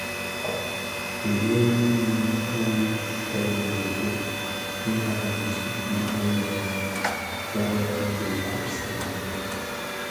Ngheri win wuö kèbtèè bi mëto në metig më bum bèn bë bë dhi gubsèn dhi.